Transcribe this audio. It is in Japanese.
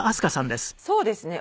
そうですね。